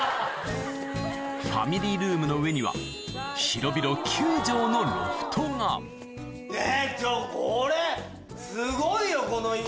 ファミリールームの上には広々ねぇちょっとこれすごいよこの家。